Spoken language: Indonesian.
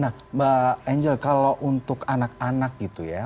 nah mbak angel kalau untuk anak anak gitu ya